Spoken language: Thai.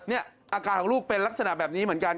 นี่อาการของลูกเป็นลักษณะแบบนี้เหมือนกัน